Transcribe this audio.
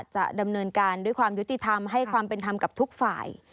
จะดำเนินการด้วยความยุติธรรมให้ความเป็นธรรมกับทุกฝ่าย